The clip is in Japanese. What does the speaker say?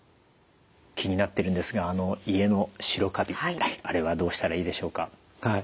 気になっているんですが家の白カビあれはどうしたらいいでしょうか？